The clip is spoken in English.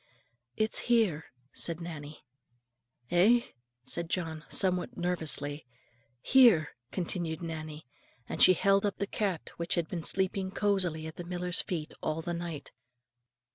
"It's here," said Nannie. "Eh?" said John, somewhat nervously. "Here," continued Nannie; and she held up the cat which had been sleeping cosily at the miller's feet all the night.